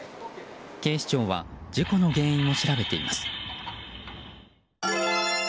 警視庁は事故の原因を調べています。